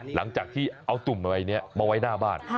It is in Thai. หลังจากที่เอาตุ่มอะไรนี้มาไว้หน้าบ้าน